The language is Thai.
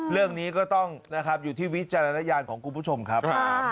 เรื่องนี้ก็ต้องนะครับอยู่ที่วิจารณญาณของคุณผู้ชมครับ